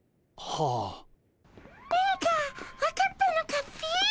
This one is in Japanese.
何か分かったのかっピ？